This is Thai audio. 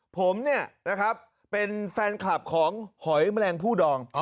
ผมเนี่ยนะครับเป็นแฟนคลับของหอยแมลงผู้ดอง